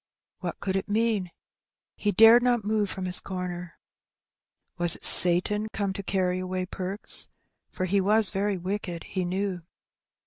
What could it mean? He dared not move from his comer. Was it Satan come to carry away Perks? for he was very wicked, he knew.